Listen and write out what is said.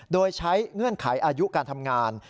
โดยใช้เงื่อนไขอายุการทำงาน